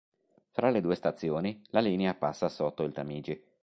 Fra le due stazioni, la linea passa sotto il Tamigi.